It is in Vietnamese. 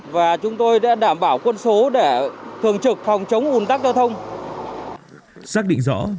và chúng tôi đã đảm bảo quân số để thường trực phòng chống ủn tắc giao thông